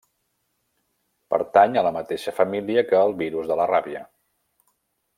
Pertany a la mateixa família que el virus de la ràbia.